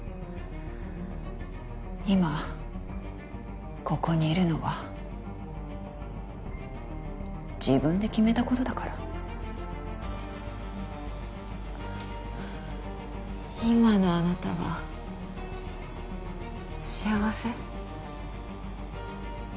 今ここにいるのは自分で決めたことだから今のあなたは幸せ？